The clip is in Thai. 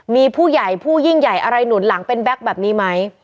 มีผู้ใหญ่ผู้ยิ่งใหญ่อะไรหนุนหลังเป็นแก๊กแบบนี้ไหม